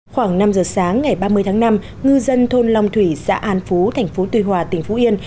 khoảng năm giờ sáng ngày ba mươi tháng năm ngư dân thôn long thủy xã an phú thành phố tuy hòa tỉnh phú yên